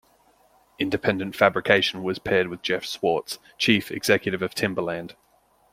Independent Fabrication was paired with Jeff Swartz, chief executive of Timberland.